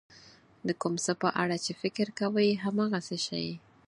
د کوم څه په اړه چې فکر کوئ هماغه شی.